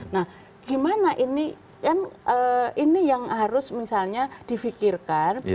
nah gimana ini kan ini yang harus misalnya difikirkan